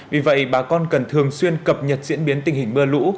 vì vậy bà con cần thường xuyên cập nhật diễn biến tình hình mưa lũ